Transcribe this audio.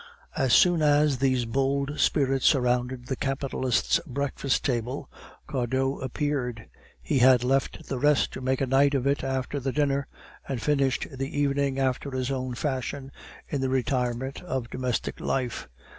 As soon as these bold spirits surrounded the capitalist's breakfast table, Cardot appeared. He had left the rest to make a night of it after the dinner, and finished the evening after his own fashion in the retirement of domestic life.